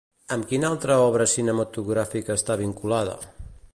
Amb quina altra obra cinematogràfica està vinculada?